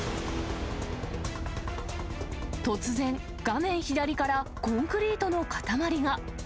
突然、画面左からコンクリートの塊が。